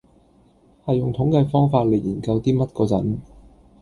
喺用統計方法嚟研究啲乜嗰陣